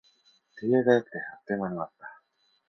手際が良くて、あっという間に終わった